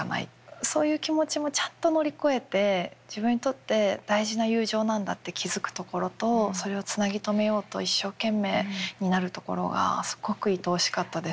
そういう気持ちもちゃんと乗り越えて自分にとって大事な友情なんだって気付くところとそれをつなぎ止めようと一生懸命になるところがすごくいとおしかったです。